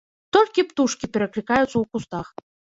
Толькі птушкі пераклікаюцца ў кустах.